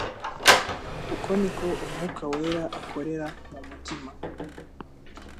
Uko niko Umwuka wera akorera mu mutima.